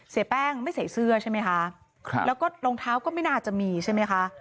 เสียแป้งไม่ใส่เสื้อใช่ไหมคะครับแล้วก็รองเท้าก็ไม่น่าจะมีใช่ไหมคะ